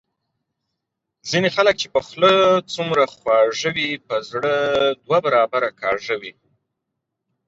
ځینی خلګ چي په خوله څومره خواږه وي په زړه دوه برابره کاږه وي